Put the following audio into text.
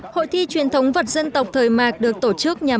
hội thi truyền thống vật dân tộc thời mạc được tổ chức nhằm với các tỉnh